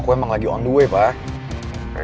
udah ngeri ngeri aja